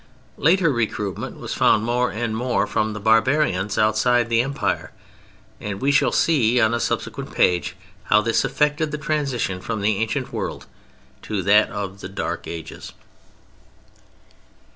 Later recruitment was found more and more from the barbarians outside the Empire; and we shall see on a subsequent page how this affected the transition from the ancient world to that of the Dark Ages.